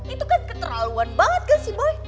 itu kan keterlaluan banget kan si boy